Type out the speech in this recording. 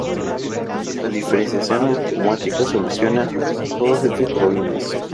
La diferenciación automática soluciona todos estos problemas.